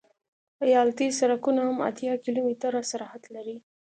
ایالتي سرکونه هم اتیا کیلومتره سرعت لري